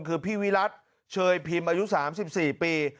คือพี่วิรัติเชยพิมพ์อายุ๓๔ปี